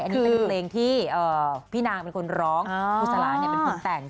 อันนี้เป็นเพลงที่พี่นางเป็นคนร้องครูสลาเป็นคนแต่ง